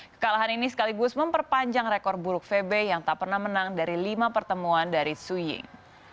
kekalahan ini sekaligus memperpanjang rekor buruk febe yang tak pernah menang dari lima pertemuan dari su ying